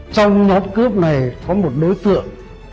trong nhóm cướp này có một nối tượng